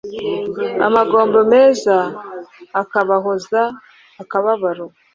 amagambo meza akabahoza akababaro